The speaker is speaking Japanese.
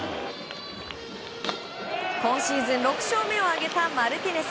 今シーズン６勝目を挙げたマルティネス。